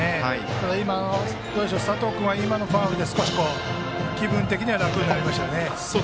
ただ、佐藤君は今のファウルで気分的に楽になりましたね。